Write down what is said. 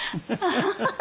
ハハハハ。